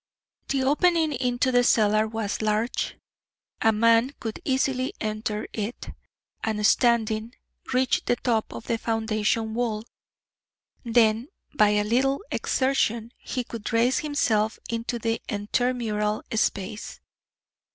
The opening into the cellar was large. A man could easily enter it, and, standing, reach the top of the foundation wall; then, by a little exertion, he could raise himself into the intermural space.